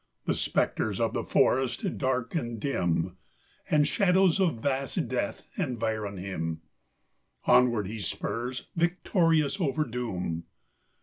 The spectres of the forest, dark and dim, And shadows of vast death environ him Onward he spurs victorious over doom.